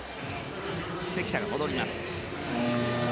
関田が戻ります。